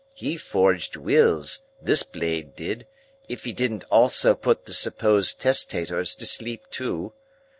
He forged wills, this blade did, if he didn't also put the supposed testators to sleep too.